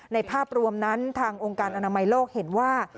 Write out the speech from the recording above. ภาพรวมนั้นทางองค์การอนามัยโลกเห็นว่า